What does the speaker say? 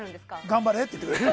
頑張れって言ってくれる。